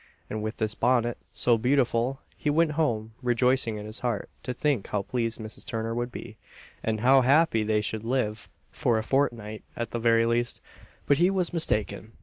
And with this bonnet, so beautiful, he went home, rejoicing in his heart to think how pleased Mrs. Turner would be, and how happy they should live for a fortnight at the very least. But he was mistaken.